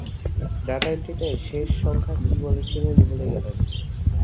Data এন্ট্রিতে শেষ সংখ্যা কি বলেছিলেন ভুলে গেলেন।